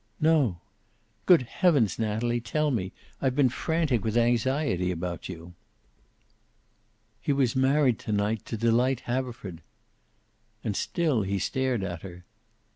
"No." "Good heavens, Natalie! Tell me. I've been frantic with anxiety about you." "He was married to night to Delight Haverford." And still he stared at her.